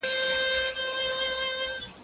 زه به سبا اوبه پاکوم؟!